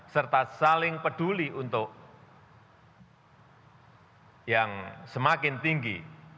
serta saling peduli untuk yang semakin tinggi